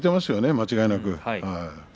間違いなく。